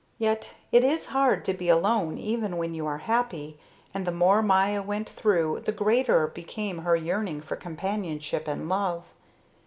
Yet it is hard to be alone even when you are happy, and the more Maya went through, the greater became her yearning for companionship and love.